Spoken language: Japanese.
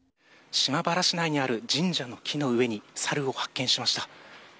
島原市内にある神社の木の上にサルを発見しました。